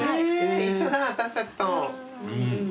一緒だ私たちと。